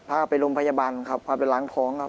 พาไปโรงพยาบาลครับพาไปล้างท้องครับ